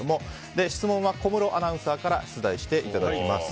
質問は小室アナウンサーから出題していただきます。